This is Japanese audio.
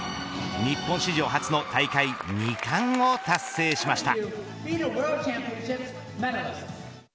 日本史上初の大会２冠を達成しました。